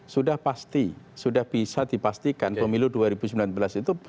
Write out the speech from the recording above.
sudah pasti sudah bisa dipastikan pemilu dua ribu sembilan belas itu